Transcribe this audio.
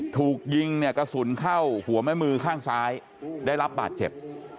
ถูกยิงเนี่ยกระสุนเข้าหัวแม่มือข้างซ้ายได้รับบาดเจ็บ